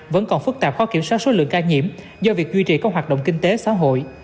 vẫn còn phức tạp khó kiểm soát số lượng ca nhiễm do việc duy trì các hoạt động kinh tế xã hội